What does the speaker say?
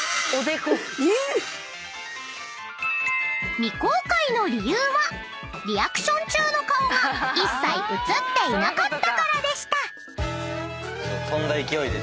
［未公開の理由はリアクション中の顔が一切映っていなかったからでした］